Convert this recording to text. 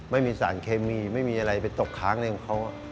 ไม่มีสารเคมีไม่มีอะไรไปตกค้างอะไรของเขา